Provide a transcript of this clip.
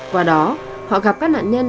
qua đó họ gặp các nạn nhân